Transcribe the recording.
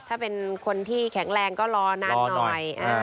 ถ้าเป็นคนที่แข็งแรงก็รอนานหน่อย